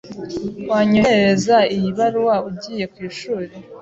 Wanyoherereza iyi baruwa ugiye ku ishuri?